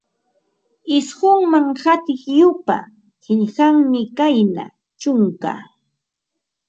Isqunman qatiq yupa, qillqanmi kayna: chunka